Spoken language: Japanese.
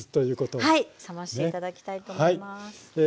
はい冷まして頂きたいと思います。